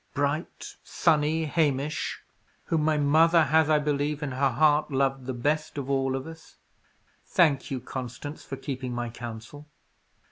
Bright, sunny Hamish! whom my mother has, I believe in her heart, loved the best of all of us. Thank you, Constance, for keeping my counsel."